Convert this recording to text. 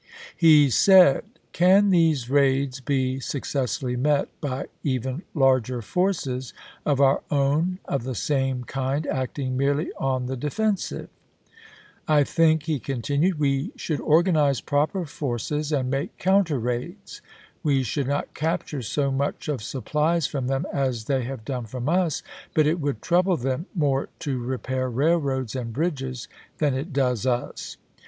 He said :" Can these raids be successfully met by even larger forces of our own of the same kind acting merely on the defen sive ? I think," he continued, " we should or ganize proper forces and make counter raids. We should not capture so much of supplies from them as they have done from us, but it would trouble them more to repair railroads and bridges than it Eo^ecmns, ^oes US.